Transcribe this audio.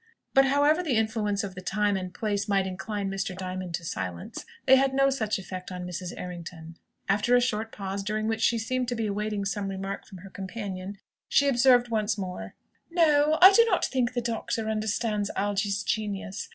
But however the influences of the time and place might incline Mr. Diamond to silence, they had no such effect on Mrs. Errington. After a short pause, during which she seemed to be awaiting some remark from her companion, she observed once more, "No; I do not think the doctor understands Algy's genius.